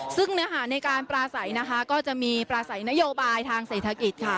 ซึ่งเนื้อหาในการปลาใสนะคะก็จะมีปลาใสนโยบายทางเศรษฐกิจค่ะ